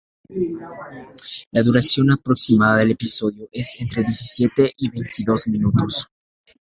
La duración aproximada del episodio es de entre diecisiete y veintidós minutos.